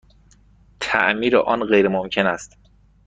تعمیر آن غیرممکن است.